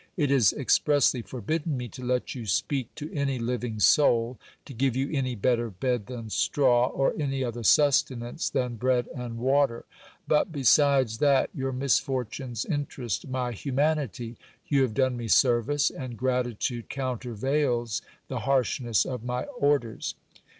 It is expressly forbidden me to let you speak to any living soul, to give you any better bed than straw, or any other sustenance than bread and water. But besides that your misfortunes interest my humanity, you have done me service, and gratitude countervails the harshness of my orders.